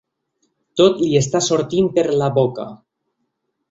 Tot li està sortint per la boca.